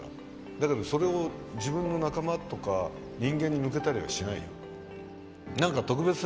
だけどそれを自分の仲間とか人間に向けたりはしないよ。